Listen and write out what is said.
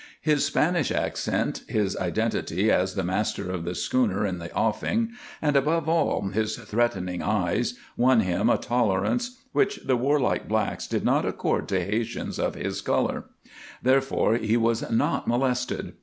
His Spanish accent, his identity as the master of the schooner in the offing, and, above all, his threatening eyes, won him a tolerance which the warlike blacks did not accord to Haytians of his color; therefore he was not molested.